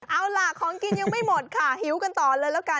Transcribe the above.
เอาล่ะของกินยังไม่หมดค่ะหิวกันต่อเลยแล้วกัน